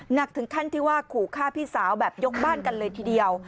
หนักถึงขั้นที่ว่าขู่ฆ่าพี่สาวแบบยกบ้านกันเลยทีเดียว